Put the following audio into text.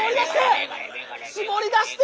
絞り出して！